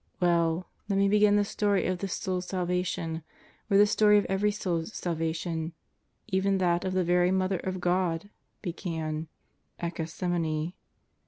Well, let me begin the story of this soul's salvation where the story of every soul's salvation even that of the very Mother of God began: at Gethsemani.